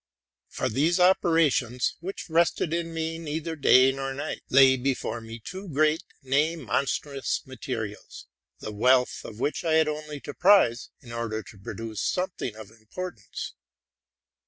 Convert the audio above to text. For these operations, which rested in me neither day nor night, lay before me two great, nay, monstrous, materials, the wealth of which I had only to prize, in order to produce something of importance.